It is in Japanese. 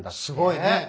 すごいね。